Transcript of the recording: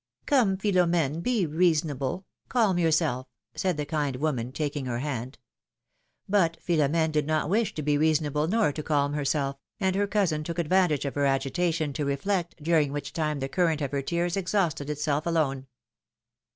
^^Come, Philom^ne, be reasonable; calm yourself,^^ said the kind woman, taking her hand. But Philom^ne did not wish to be reasonable nor to calm herself, and her cousin took advantage of her agitation to reflect, during which time the current of her tears exhausted itself alone.